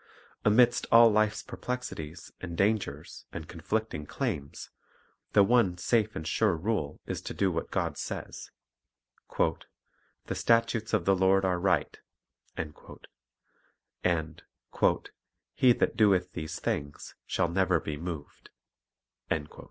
Amidst all life's perplexities and dangers and conflicting claims, the one safe and sure rule is to do what God says. "The statutes of the Lord are right," and "he that doeth these things shall never be moved. " s Hsa.